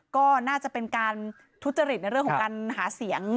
ก็น่าจะเป็นการทุจริตในเรื่องของการหาเสียง